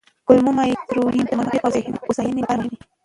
کولمو مایکروبیوم د معافیت او ذهني هوساینې لپاره مهم دی.